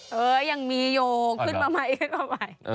เฮ้ยยังมีอยู่ขึ้นมาไหมขึ้นมาไหม